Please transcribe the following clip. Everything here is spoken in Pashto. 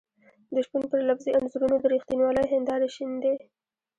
د شپون پر لفظي انځورونو د رښتینولۍ هېندارې شيندي.